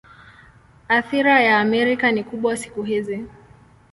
Athira ya Amerika ni kubwa siku hizi.